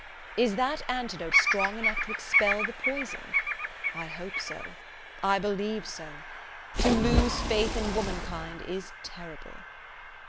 Is that antidote strong enough to expel the poison? I hope so! I believe so! To lose faith in womankind is terrible."